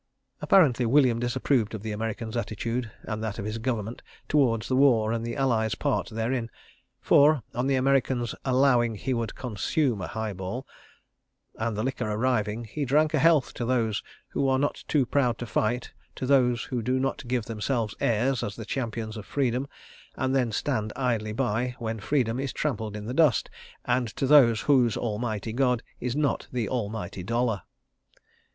Apparently William disapproved of the American's attitude, and that of his Government, toward the War and the Allies' part therein; for, on the American's "allowing he would _con_sume a highball" and the liquor arriving, he drank a health to those who are not too proud to fight, to those who do not give themselves airs as the Champions of Freedom, and then stand idly by when Freedom is trampled in the dust, and to those whose Almighty God is not the Almighty Dollar!